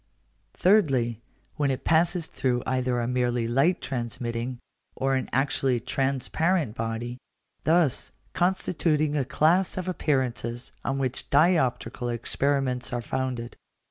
Thirdly, when it passes through either a merely light transmitting or an actually transparent body; thus constituting a class of appearances on which dioptrical experiments are founded.